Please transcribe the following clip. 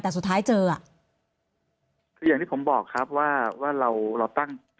แต่สุดท้ายเจออ่ะคืออย่างที่ผมบอกครับว่าว่าเราเราตั้ง